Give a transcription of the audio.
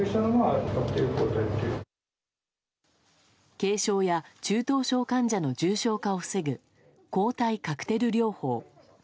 軽症や中等症患者の重症化を防ぐ抗体カクテル療法。